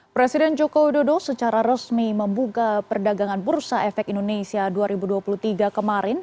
presiden joko widodo secara resmi membuka perdagangan bursa efek indonesia dua ribu dua puluh tiga kemarin